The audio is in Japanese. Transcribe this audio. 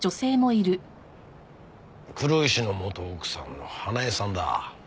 黒石の元奥さんの華絵さんだ。